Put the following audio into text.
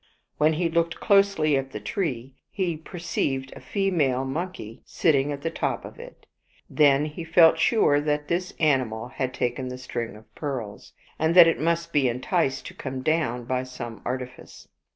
When he looked closely at the tree, he perceived a female monkey sit ting at the top of it. Then he felt sure that this animal had taken the string of pearls, and that it must be enticed to come down by some artifice.